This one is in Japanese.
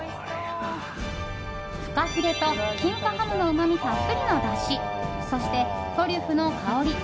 フカヒレと金華ハムのうまみたっぷりのだしそして、トリュフの香り。